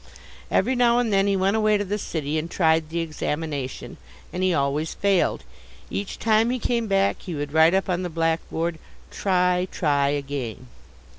Every now and then he went away to the city and tried the examination: and he always failed. Each time he came back, he would write up on the blackboard: "Try, try again."